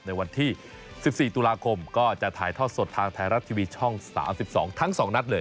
ในวันที่๑๔ตุลาคมก็จะถ่ายทอดสดทางไทยรัฐทีวีช่อง๓๒ทั้ง๒นัดเลย